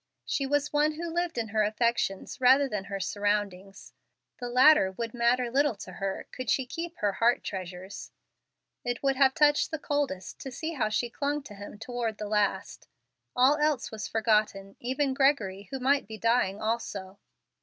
She was one who lived in her affections rather than her surroundings. The latter would matter little to her could she keep her heart treasures. It would have touched the coldest to see how she clung to him toward the last. All else was forgotten, even Gregory, who might be dying also.